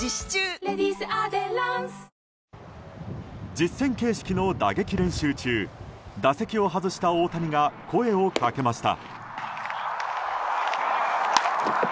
実戦形式の打撃練習中打席を外した大谷が声をかけました。